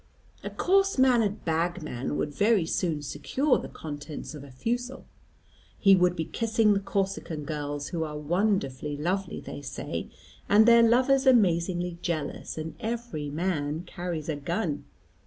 A coarse mannered bagman would very soon secure the contents of a fusil. He would be kissing the Corsican girls, who are wonderfully lovely they say, and their lovers amazingly jealous; and every man carries a gun.